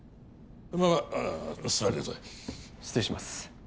まあ座りなさい失礼します